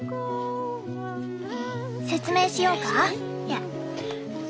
説明しようか？